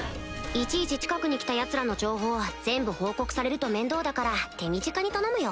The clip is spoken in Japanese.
いちいち近くに来たヤツらの情報全部報告されると面倒だから手短に頼むよ